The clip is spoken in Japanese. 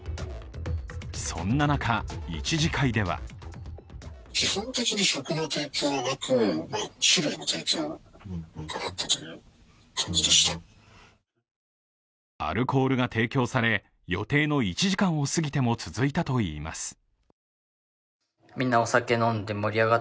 そんな中、１次会ではアルコールが提供され、予定の１時間を過ぎても続いたといいます。